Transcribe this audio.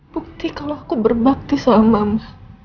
bukti kalau aku berbakti soal mama